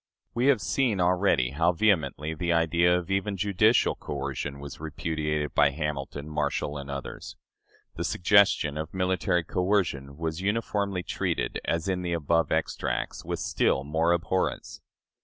" We have seen already how vehemently the idea of even judicial coercion was repudiated by Hamilton, Marshall, and others. The suggestion of military coercion was uniformly treated, as in the above extracts, with still more abhorrence.